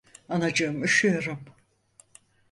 Anacığım üşüyorum!